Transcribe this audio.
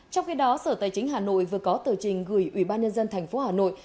trong khi đó sở tài chính hà nội vừa có tờ trình gửi ủy ban nhân dân tp hà nội